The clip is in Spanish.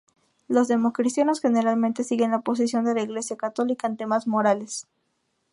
Los democristianos generalmente siguen la posición de la Iglesia católica en temas morales.